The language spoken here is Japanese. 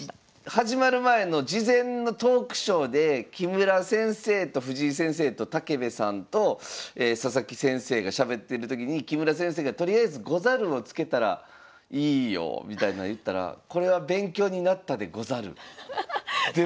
始まる前の事前のトークショーで木村先生と藤井先生と竹部さんと佐々木先生がしゃべってる時に木村先生が「とりあえず『ござる』をつけたらいいよ」みたいな言ったら「これは勉強になったでござる」で